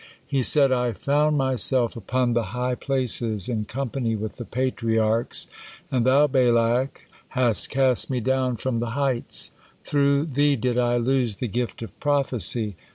He said: "I found myself upon the high places, in company with the Patriarchs, and thou, Balak, hast cast me down from the heights; through thee did I lose the gift of prophecy.